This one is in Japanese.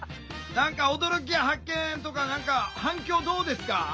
何か驚きや発見とか何か反響どうですか？